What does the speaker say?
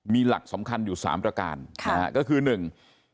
มีหลักสำคัญอยู่สามประการค่ะนะฮะก็คือหนึ่ง